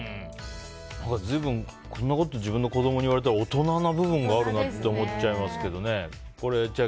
随分、こんなこと自分の子供に言われたら大人な部分があるなと思っちゃいますけどね。